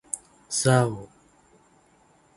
เศร้า.